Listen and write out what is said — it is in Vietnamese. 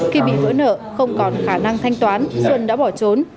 khi bị vỡ nợ không còn khả năng thanh toán xuân đã bỏ trốn